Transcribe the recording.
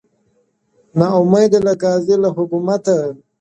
نا امیده له قاضي له حکومته !